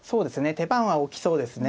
手番は大きそうですね